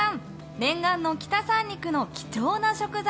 念願の北三陸の貴重な食材